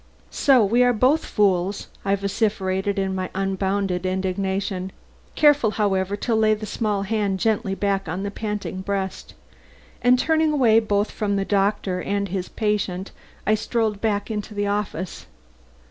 "So we are both fools!" I vociferated in my unbounded indignation, careful however to lay the small hand gently back on the panting breast. And turning away both from the doctor and his small patient, I strolled back into the office.